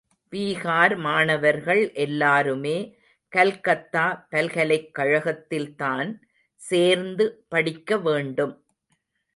பீகார் மாணவர்கள் எல்லாருமே கல்கத்தா பல்கலைக் கழகத்தில்தான் சேர்ந்து படிக்க வேண்டும்!